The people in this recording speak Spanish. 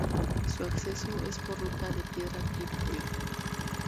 Su acceso es por ruta de piedra ripio.